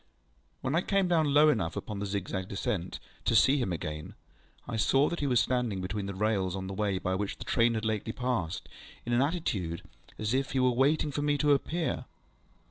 When I came down low enough upon the zigzag descent to see him again, I saw that he was standing between the rails on the way by which the train had lately passed, in an attitude as if he were waiting for me to appear.